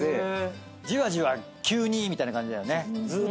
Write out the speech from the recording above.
じわじわ急にみたいな感じだよね。